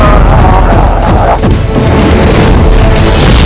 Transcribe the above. aku akan mencari penyelesaianmu